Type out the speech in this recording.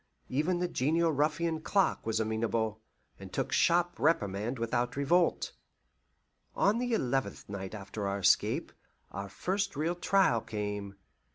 Even the genial ruffian Clark was amenable, and took sharp reprimand without revolt. On the eleventh night after our escape, our first real trial came.